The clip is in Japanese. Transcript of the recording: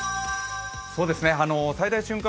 最大瞬間